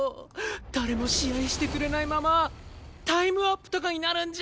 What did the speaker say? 誰も試合してくれないままタイムアップとかになるんじゃ！